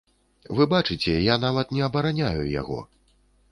Вы бачыце, я нават не абараняю яго.